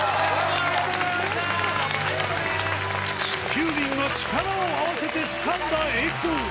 ９人が力を合わせてつかんだ栄光